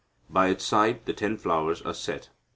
By its side the ten flowers are set.